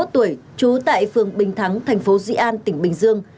ba mươi một tuổi trú tại phường bình thắng thành phố dị an tỉnh bình dương